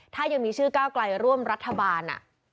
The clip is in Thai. ถ้ายังมีชื่อก้าวไกลร่วมรัฐบาล